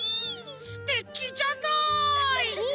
すてきじゃない！